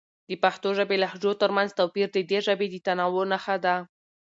د پښتو ژبې لهجو ترمنځ توپیر د دې ژبې د تنوع نښه ده.